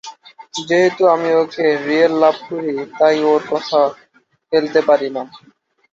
যেহেতু আমি ওকে রিয়েল লাভ করি, তাই ওর কথা ফেলতে পারিনা।